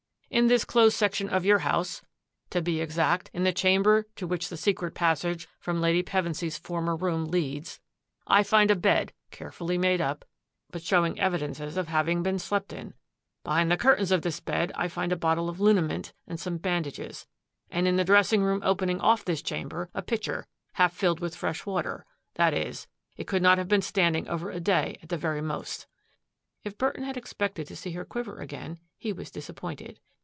In this closed section of your house — to be exact, in the chamber to which the secret passage from Lady Pevensy's former room leads — I find a bed, carefully made up, but show ing evidences of having been slept in; behind the curtains of this bed I find a bottle of liniment and some bandages, and in the dressing room opening off this chamber a pitcher, half filled with fresh water ; that is, it could not have been standing over a day at the very most." If Burton had expected to see her quiver again, he was disappointed.